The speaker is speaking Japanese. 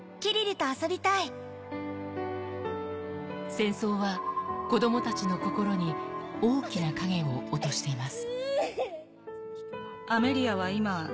戦争は子どもたちの心に大きな影を落としています。